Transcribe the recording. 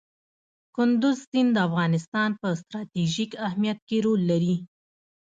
کندز سیند د افغانستان په ستراتیژیک اهمیت کې رول لري.